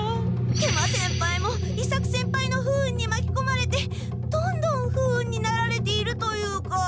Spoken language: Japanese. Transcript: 食満先輩も伊作先輩の不運にまきこまれてどんどん不運になられているというか。